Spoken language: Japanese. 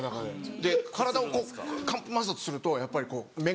で体をこう乾布摩擦するとやっぱりこう目が。